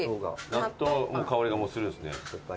納豆の香りがするんですね。